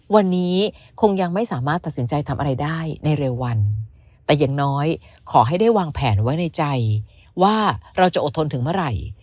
วันนี้คงยังไม่สามารถตัดสินใจทำอะไรได้ในเร็ววันแต่อย่างน้อยขอให้ได้วางแผนไว้ในใจว่าเราจะอดทนถึงเมื่อไหร่